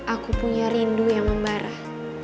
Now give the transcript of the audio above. aku punya rindu yang membarah